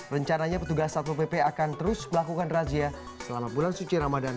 rencananya petugas satuan polisi pampung praja akan terus melakukan razia selama bulan suci ramadan